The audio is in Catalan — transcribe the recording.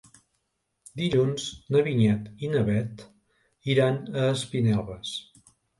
Dilluns na Vinyet i na Bet iran a Espinelves.